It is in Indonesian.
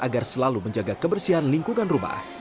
agar selalu menjaga kebersihan lingkungan rumah